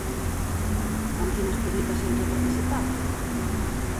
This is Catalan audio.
En quines publicacions ha participat?